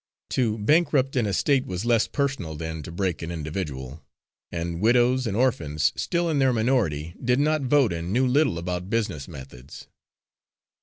To bankrupt an estate was less personal than to break an individual; and widows, and orphans still in their minority, did not vote and knew little about business methods.